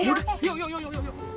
yaudah yuk yuk yuk